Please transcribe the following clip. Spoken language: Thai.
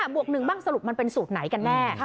บวก๑บ้างสรุปมันเป็นสูตรไหนกันแน่